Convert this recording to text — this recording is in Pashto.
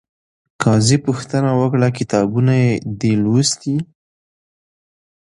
قاضي پوښتنه وکړه، کتابونه یې دې لوستي؟